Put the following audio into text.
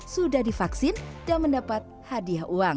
sudah divaksin dan mendapat hadiah uang